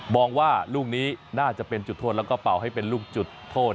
บอกว่าลูกนี้น่าจะเป็นจุดโทษแล้วก็เป่าให้เป็นลูกจุดโทษ